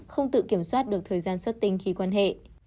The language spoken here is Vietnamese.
không tự kiểm soát được thời gian xuất tinh khi quan hệ